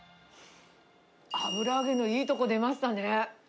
油揚げのいいとこ出ましたね。